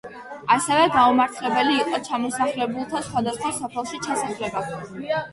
ასევე გაუმართლებელი იყო ჩამოსახლებულთა სხვადასხვა სოფელში ჩასახლება.